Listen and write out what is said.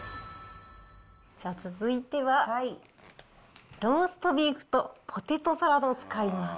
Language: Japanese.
じゃあ続いては、ローストビーフとポテトサラダを使います。